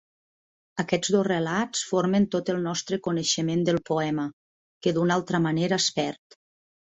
Aquests dos relats formen tot el nostre coneixement del poema, que d'una altra manera es perd.